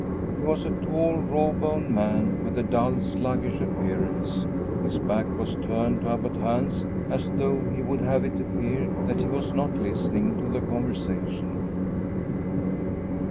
He was a tall, raw boned man with a dull, sluggish appearance. His back was turned to Abbot Hans, as though he would have it appear that he was not listening to the conversation.